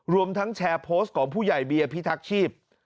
รวมทั้งแชร์โพสต์ของผู้ใหญ่เบียร์พิทักษ์ชีพ